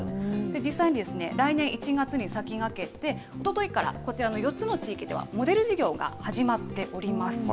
実際に来年１月に先駆けて、おとといからこちらの４つの地域では、モデル事業が始まっております。